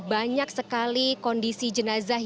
banyak sekali kondisi jenazah